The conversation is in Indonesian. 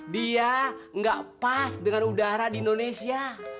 dia gak pas dengan udara di indonesia